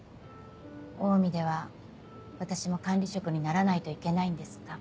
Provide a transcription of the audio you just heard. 「オウミでは私も管理職にならないといけないんですか？」。